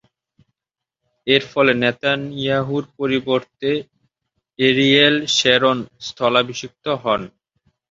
এরফলে নেতানিয়াহু’র পরিবর্তে Ariel Sharon স্থলাভিষিক্ত হন।